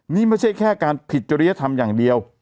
นี่ไม่ใช่แค่การผิดจริยธรรมอย่างเดียว